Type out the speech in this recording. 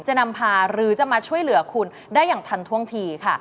จะนำพาหรือจะมาช่วยเหลือคุณได้อย่างทันท่วงทีค่ะ